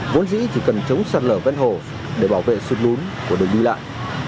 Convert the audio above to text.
vốn dĩ thì cần chống sạt lở ven hồ để bảo vệ sụt lún của đường đi lại